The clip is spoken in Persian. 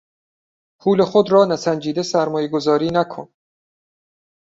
پول خود را نسنجیده سرمایهگذاری نکن!